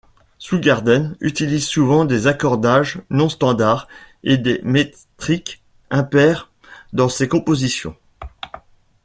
Soundgarden utilise souvent des accordages non standards et des métriques impaires dans ses compositions.